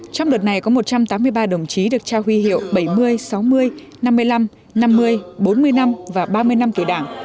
trong đợt này có một trăm tám mươi ba đồng chí được trao huy hiệu bảy mươi sáu mươi năm mươi năm năm mươi bốn mươi năm và ba mươi năm tuổi đảng